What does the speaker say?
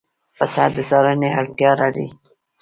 پسه د څارنې اړتیا لري.